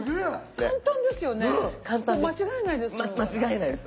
間違えないです。